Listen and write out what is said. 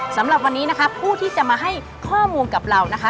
สำหรับวันนี้นะคะผู้ที่จะมาให้ข้อมูลกับเรานะคะ